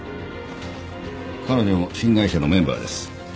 彼女も新会社のメンバーです。